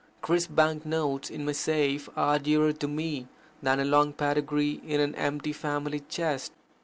Crisp bank notes in my safe are dearer to me than a long pedigree in an empty family chest.